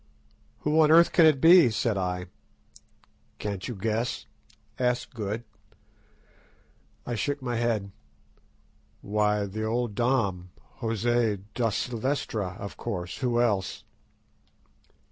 "Who on earth can it be?" said I. "Can't you guess?" asked Good. I shook my head. "Why, the old Dom, José da Silvestra, of course—who else?"